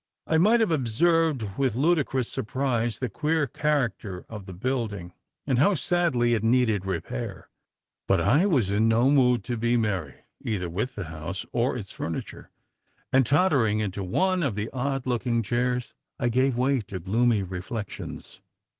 I might have observed with ludicrous surprise the queer character of the building, and how sadly it needed repair. But I was in no mood to be merry, either with the house or its furniture; and, tottering into one of the odd looking chairs, I gave way to gloomy reflections.